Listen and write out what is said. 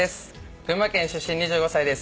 群馬県出身２５歳です。